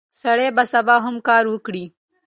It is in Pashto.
سړی به سبا هم کار وکړي.